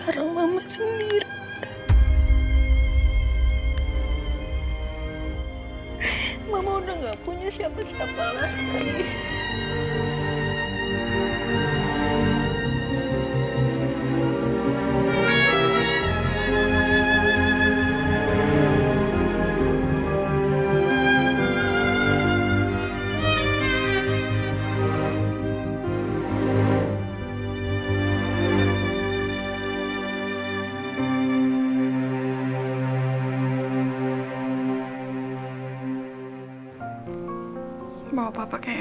riki yang memisahkan mama dengan papa nino nak